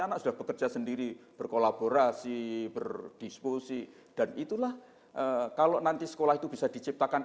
anak sudah bekerja sendiri berkolaborasi berdiskusi dan itulah kalau nanti sekolah itu bisa diciptakan